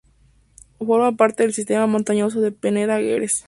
Forma parte del sistema montañoso de Peneda-Gerês.